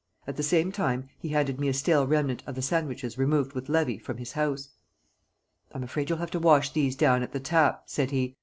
At the same time he handed me a stale remnant of the sandwiches removed with Levy from his house. "I'm afraid you'll have to wash these down at that tap," said he.